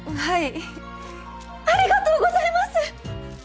ありがとうございます！